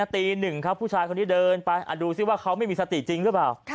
ตีหนึ่งครับผู้ชายคนนี้เดินไปดูซิว่าเขาไม่มีสติจริงหรือเปล่า